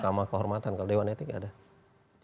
mahkamah kehormatan kalau dewan etik tidak ada